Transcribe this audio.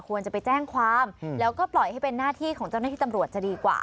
ควรจะไปแจ้งความแล้วก็ปล่อยให้เป็นหน้าที่ของเจ้าหน้าที่ตำรวจจะดีกว่า